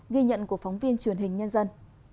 ghi nhận của phóng viên truyền hình nhân dân